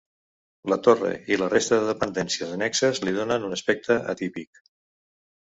La torre i la resta de dependències annexes li donen un aspecte atípic.